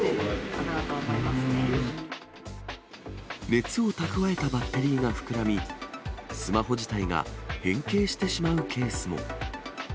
熱を蓄えたバッテリーが膨らみ、スマホ自体が変形してしまうケースも。